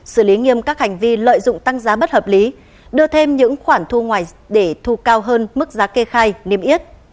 xử lý nghiêm các hành vi lợi dụng tăng giá bất hợp lý đưa thêm những khoản thu để thu cao hơn mức giá kê khai niêm yết